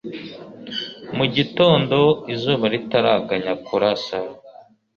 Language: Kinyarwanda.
mu gitondo, izuba ritaraganya kurasa